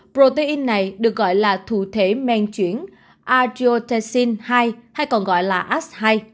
protein này được gọi là thủ thể men chuyển argyrotensin hai hay còn gọi là as hai